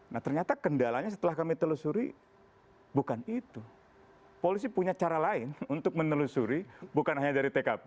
nah ternyata kendalanya setelah kami telusuri bukan itu polisi punya cara lain untuk menelusuri bukan hanya dari tkp